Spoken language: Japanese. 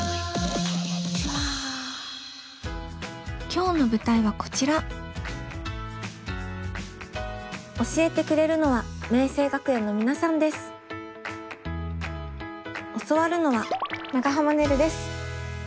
今日の舞台はこちら教えてくれるのは教わるのは長濱ねるです。